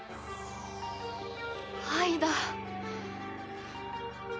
愛だ！